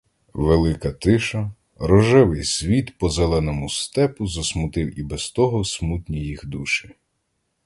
Велика тиша, рожевий світ по зеленому степу засмутив і без того смутні їх душі.